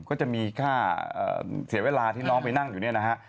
ก็จะมีค่าเสียเวลาที่น้องไปนั่งอยู่เนี่ยนะฮะ